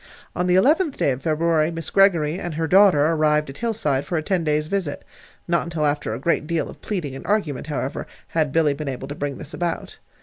On the eleventh day of February Mrs. Greggory and her daughter arrived at Hillside for a ten days' visit. Not until after a great deal of pleading and argument, however, had Billy been able to bring this about.